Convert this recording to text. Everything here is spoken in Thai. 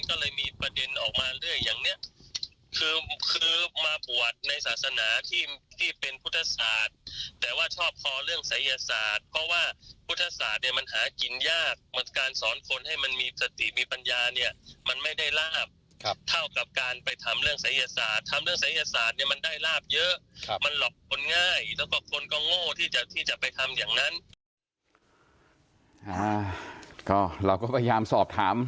ก็โง่ที่จะที่จะไปทำอย่างนั้นก็เราก็พยายามสอบถาม